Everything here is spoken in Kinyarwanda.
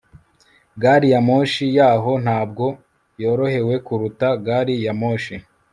gari ya moshi yaho ntabwo yorohewe kuruta gari ya moshi